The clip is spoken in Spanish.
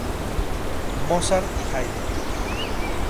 Mozart y Haydn.